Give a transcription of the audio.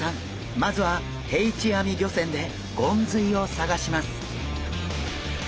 まずは定置網漁船でゴンズイを探します。